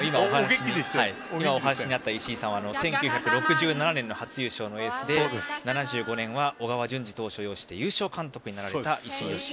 石井さんは１９６７年の初優勝のエースで７５年は小川淳司投手を擁して優勝監督になられました。